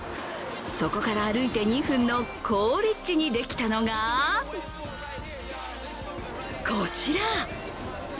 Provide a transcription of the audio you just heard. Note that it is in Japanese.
そこから歩いて２分の好立地にできたのがこちら。